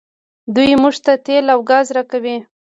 دوی موږ ته تیل او ګاز راکوي.